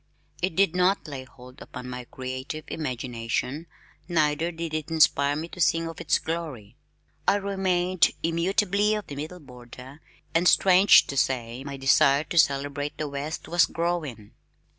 It did not lay hold upon my creative imagination, neither did it inspire me to sing of its glory. I remained immutably of the Middle Border and strange to say, my desire to celebrate the West was growing.